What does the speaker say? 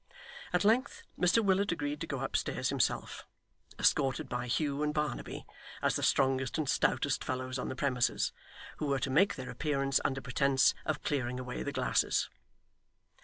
At length Mr Willet agreed to go upstairs himself, escorted by Hugh and Barnaby, as the strongest and stoutest fellows on the premises, who were to make their appearance under pretence of clearing away the glasses.